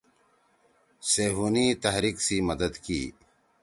صیہونی تحریک سی مدد کی